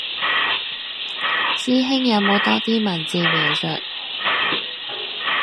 師兄有冇多啲文字描述